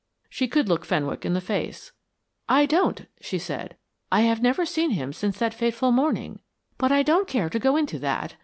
She could look Fenwick in the face. "I don't," she said. "I have never seen him since that fateful morning but I don't care to go into that.